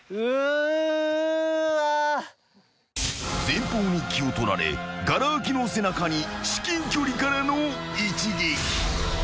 ［前方に気を取られがら空きの背中に至近距離からの一撃］